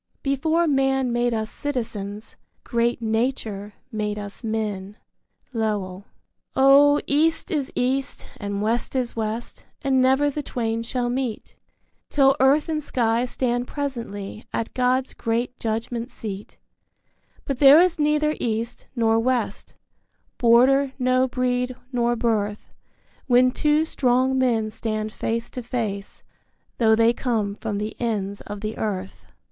Before man made us citizens, great Nature made us men Lowell. Oh, East is East, and West is West, and never the twain shall meet Till earth and sky stand presently at God's great judgment seat; But there is neither East, nor West, border nor breed nor birth When two strong men stand face to face, tho' they come from the ends of the earth.